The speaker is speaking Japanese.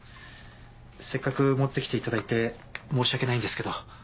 せっかく持ってきていただいて申し訳ないんですけど。